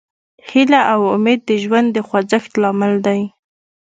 هیله او امید د ژوند د خوځښت لامل دی.